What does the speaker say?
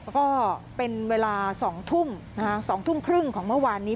ก็เป็นเวลา๒ทุ่ม๒ทุ่มครึ่งของเมื่อวานนี้